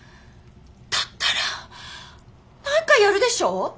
だったら何かやるでしょ？